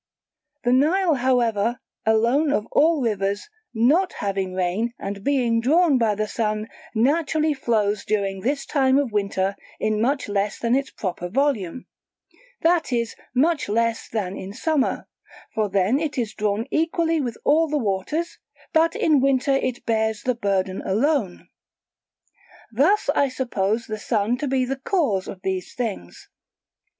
The Nile however, alone of all rivers, not having rain and being drawn by the Sun, naturally flows during this time of winter in much less than its proper volume, that is much less than in summer; for then it is drawn equally with all the other waters, but in winter it bears the burden alone. Thus I suppose the Sun to be the cause of these things.